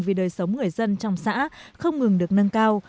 vì đời sống người dân trong xã không ngừng được nâng cao